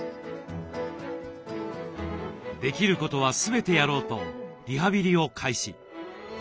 できることは全てやろうとリハビリを開始。